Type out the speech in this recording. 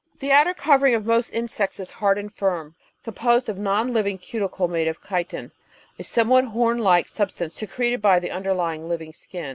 The outer covering of most insects is hard and firm, com posed of a non living cuticle made of chitin, a somewhat horn like substance secreted by the underlying living skin.